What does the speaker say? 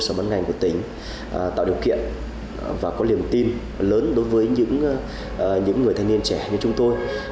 sở bán ngành của tỉnh tạo điều kiện và có liềm tin lớn đối với những người thanh niên trẻ như chúng tôi